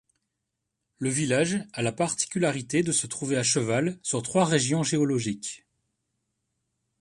Le village a la particularité de se trouver à cheval sur trois régions géologiques.